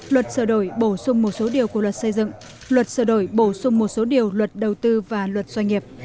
luật sửa đổi bổ sung một số điều của luật xây dựng luật sửa đổi bổ sung một số điều luật đầu tư và luật doanh nghiệp